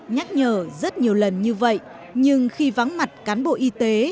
nhắc nhở rất nhiều lần như vậy nhưng khi vắng mặt cán bộ y tế